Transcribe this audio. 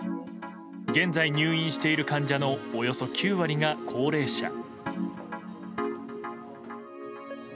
現在、入院している患者のおよそ９割が高齢者。